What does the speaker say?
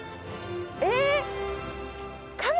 えっ！